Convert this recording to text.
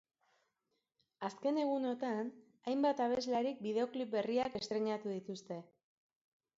Azken egunotan hainbat abeslarik bideoklip berriak estreinatu dituzte.